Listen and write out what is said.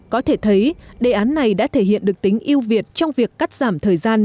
có thể thấy đề án này đã thể hiện được tính yêu việt trong việc cắt giảm thời gian